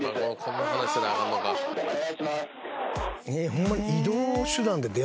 ホンマに。